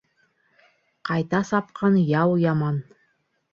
Ҡайта сапҡан яу яман.